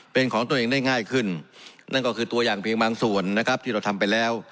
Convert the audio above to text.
เป็นของตัวเองได้ง่ายขึ้นนั่นก็คือตัวอย่างเพียงบางส่วนนะครับที่เราทำไปแล้ว